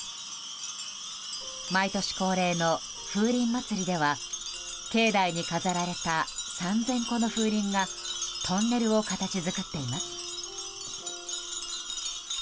毎年恒例の風鈴まつりでは境内に飾られた３０００個の風鈴がトンネルを形作っています。